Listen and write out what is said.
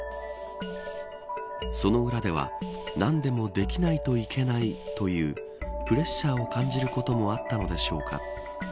その裏では何でもできないといけないというプレッシャーを感じることもあったのでしょうか。